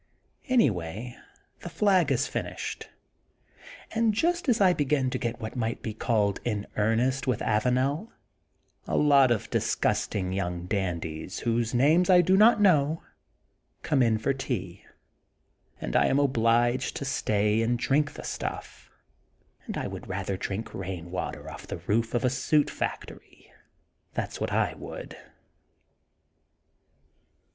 Anyway, the flag is finished. And just as I begin to get what might be called ^^in earnest" with Avanel, a lot of disgusting young dandies, whose names I do not know, come in for tea. And I am obliged to stay and drink the stuff and I would rather drink rain water off the roof of a soot factory, that's what I would.